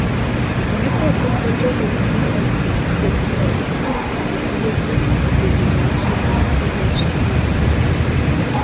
Дадэ абы куэдрэ къыжриӀэрт Хы фӀыцӀэ Ӏуфэм Ӏус адыгэхэр бдзэжьеящэ бэлыхьу зэрыщытар.